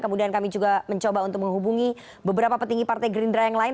kemudian kami juga mencoba untuk menghubungi beberapa petinggi partai gerindra yang lain